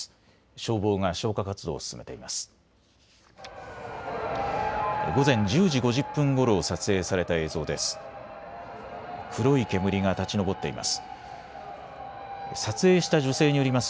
消防が消火活動を進めています。